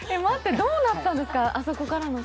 待って、どうなったんですかあそこから。